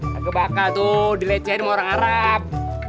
gak kebaka tuh dilecehin sama orang arab